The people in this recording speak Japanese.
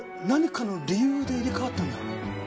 何かの理由で入れ替わったんだ。